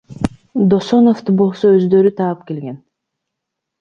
Досоновду болсо өздөрү таап келген.